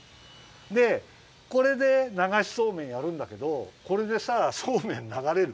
でこれでながしそうめんやるんだけどこれでさそうめんながれる？